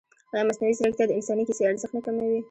ایا مصنوعي ځیرکتیا د انساني کیسې ارزښت نه کموي؟